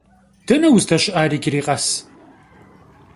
Дэнэ уздэщыӏар иджыри къэс?